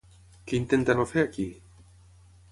Què intenta no fer aquí?